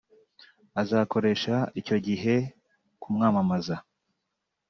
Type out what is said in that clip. azakoresha icyo gihe mu kumwamamaza